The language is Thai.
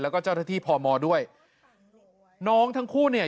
แล้วก็เจ้าหน้าที่พมด้วยน้องทั้งคู่เนี่ย